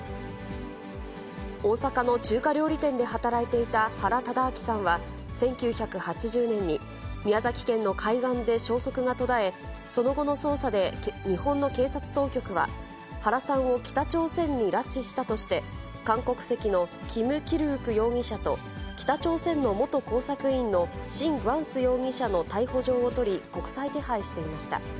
大阪の中華料理店で働いていた原敕晁さんは、１９８０年に、宮崎県の海岸で消息が途絶え、その後の捜査で、日本の警察当局は、原さんを北朝鮮に拉致したとして、韓国籍のキム・キルウク容疑者と北朝鮮の元工作員のシン・グァンス容疑者の逮捕状を取り、国際手配していました。